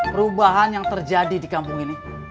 perubahan yang terjadi di kampung ini